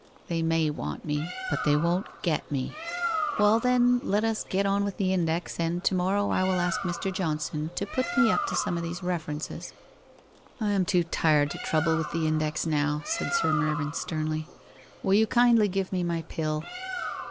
' They may want me, hut they won't get me.' ' Well, then, let us get on with the index and to morrow I will ask Mr. Johnson to put me up to some of these referem BO WHITE HOSE OF WEARY LEAF • I am too tired to trouble with the index now,' said Sir tfervyn Bternly. 'Will you kindly give mo my pill!'